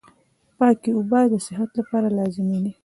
پاکي اوبه د صحت لپاره لازمي دي.